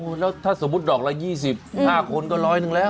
โอ้แล้วถ้าสมมติดอกล้า๒๐ครับ๕คนก็ร้อยนึงแล้ว